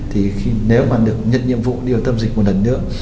thì nếu mà được nhân nhiệm vụ đi vào tâm dịch một lần nữa